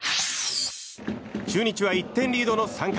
中日は１点リードの３回。